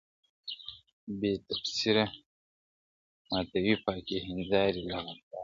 بې تقصیره ماتوې پاکي هینداري له غباره,